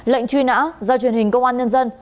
lệnh truy nã do truyền hình công an nhân dân